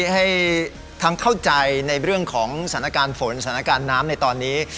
ให้ทั้งเข้าใจในเรื่องของสถานการณ์ฝนสถานการณ์น้ำในตอนนี้